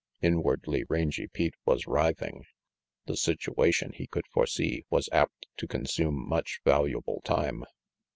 Inwardly, Rangy Pete was writhing. The situa tion, he could foresee, was apt to consume much valuable time.